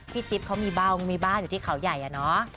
พี่จิ๊บมีบ้างที่เขาอยู่ข้าวใหญ่อะเนอะ